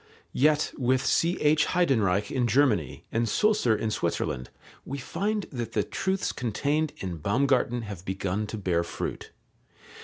Yet with C.H. Heydenreich in Germany and Sulzer in Switzerland we find that the truths contained in Baumgarten have begun to bear fruit.